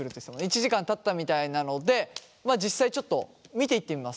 １時間たったみたいなので実際ちょっと見ていってみますか。